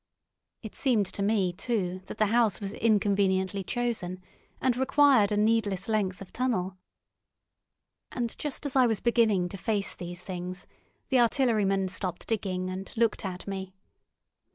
It seemed to me, too, that the house was inconveniently chosen, and required a needless length of tunnel. And just as I was beginning to face these things, the artilleryman stopped digging, and looked at me.